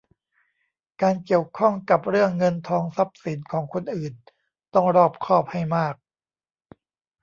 การเกี่ยวข้องกับเรื่องเงินทองทรัพย์สินของคนอื่นต้องรอบคอบให้มาก